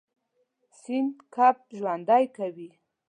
سیند کب ژوندی کوي.